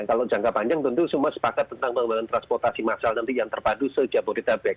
kalau jangka panjang tentu semua sepakat tentang pembangunan transportasi massal nanti yang terpadu se jabodetabek